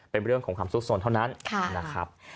เป็นเรื่องของความสุขสนเท่านั้นนะครับ